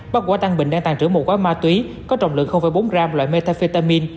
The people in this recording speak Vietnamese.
bắt quả tăng bình đang tàn trưởng một quả ma túy có trọng lượng bốn gram loại metafetamin